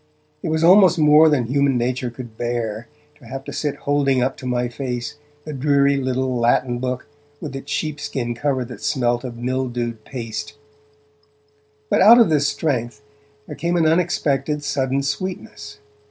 It was almost more than human nature could bear to have to sit holding up to my face the dreary little Latin book, with its sheepskin cover that smelt of mildewed paste. But out of this strength there came an unexpected sudden sweetness.